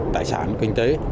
tài sản kinh tế